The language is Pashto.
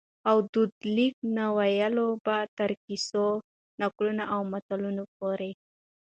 او دود لیک نه نیولي بیا تر کیسو ، نکلو او متلونو پوري